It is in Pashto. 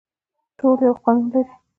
ټول یو قانون لري